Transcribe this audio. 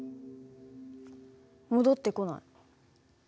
戻ってこない。